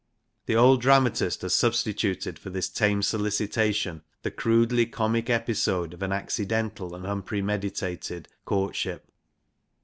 The old dramatist has substituted for this tame solicitation the crudely comic episode of an accidental and unpremeditated courtship.